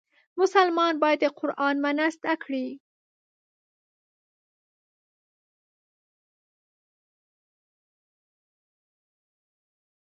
مسلمان باید د قرآن معنا زده کړي.